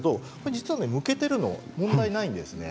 実はむけているのも問題ないんです。